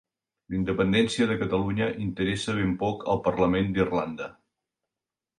La independència de Catalunya interessa ben poc al parlament d'Irlanda